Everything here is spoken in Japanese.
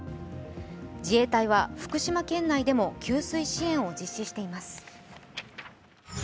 自衛隊は福島県内でも給水支援を実施しています。